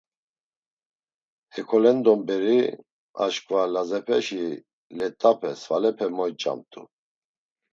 Hekolendon beri aşǩva Lazepeşi let̆ape, svalepe moyç̌amt̆u.